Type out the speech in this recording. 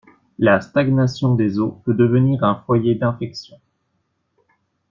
La stagnation des eaux peut devenir un foyer d'infection.